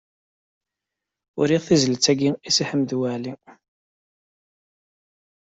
Uriɣ tizlit-agi i Si Ḥmed Waɛli.